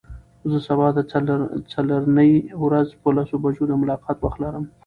زه سبا د څلرنۍ ورځ په لسو بجو د ملاقات وخت لرم.